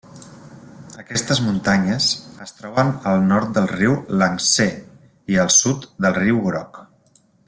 Aquestes muntanyes es troben al nord del riu Iang-Tsé i al sud del Riu Groc.